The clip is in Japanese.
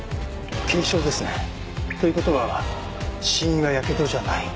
軽傷ですね。という事は死因はやけどじゃない。